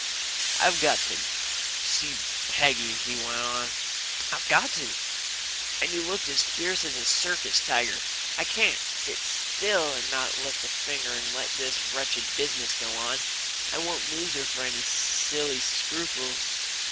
"I've got to see Peggy," he went on. "I've got to!" And he looked as fierce as a circus tiger. "I can't sit still and not lift a finger and let this wretched business go on. I won't lose her for any silly scruples."